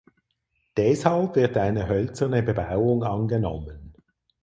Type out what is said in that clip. Deshalb wird eine hölzerne Bebauung angenommen.